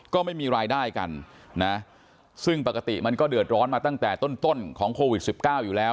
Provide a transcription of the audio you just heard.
ก็ไม่มีรายได้กันนะซึ่งปกติมันก็เดือดร้อนมาตั้งแต่ต้นของโควิด๑๙อยู่แล้ว